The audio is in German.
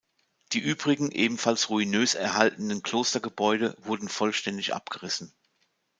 Die übrigen, ebenfalls ruinös erhaltenen Klostergebäude wurden vollständig abgerissen.